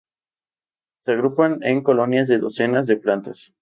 Se agrupan en colonias de docenas de plantas.